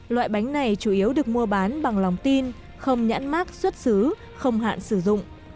loại bánh này chủ yếu được mua bán bằng lòng tin không nhãn mát xuất xứ không hạn sử dụng